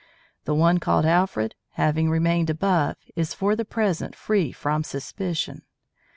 The one called Alfred, having remained above, is for the present free from suspicion.